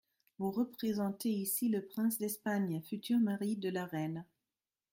Vous représentez ici le prince d’Espagne, futur mari de La Reine .